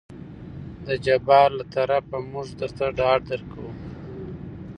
د جبار له طرفه موږ درته ډاډ درکو.